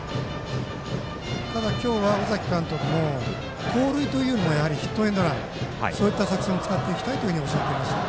ただ、今日は尾崎監督も盗塁というよりヒットエンドランという作戦を使っていきたいとおっしゃっていました。